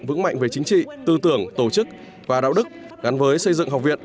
vững mạnh về chính trị tư tưởng tổ chức và đạo đức gắn với xây dựng học viện